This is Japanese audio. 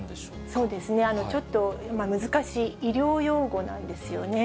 そうですね、ちょっと難しい医療用語なんですよね。